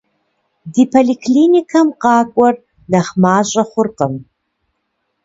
Ди поликлиникэм къакӀуэр нэхъ мащӀэ хъуркъым.